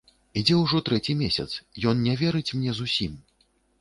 Ідзе ўжо трэці месяц, ён не верыць мне зусім.